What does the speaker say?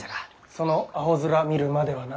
そのアホ面見るまではな。